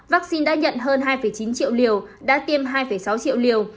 vaccine đã nhận hơn hai chín triệu liều đã tiêm hai sáu triệu liều